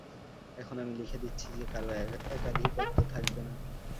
এখন আমি লিখে দিচ্ছি যে, কারও একাধিপত্য থাকবে না।